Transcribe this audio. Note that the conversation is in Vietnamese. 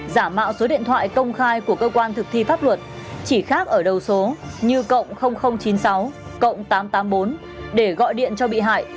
giả mạo số điện thoại công khai của cơ quan thực thi pháp luật chỉ khác ở đầu số như chín mươi sáu cộng tám trăm tám mươi bốn để gọi điện cho bị hại